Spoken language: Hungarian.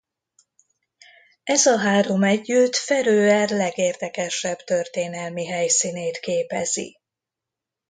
Ez a három együtt Feröer legérdekesebb történelmi helyszínét képezi.